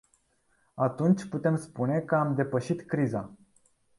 Atunci putem spune că am depășit criza.